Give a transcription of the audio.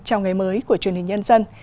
chào ngày mới của truyền hình nhân dân